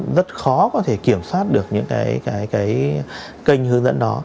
rất khó có thể kiểm soát được những cái kênh hướng dẫn đó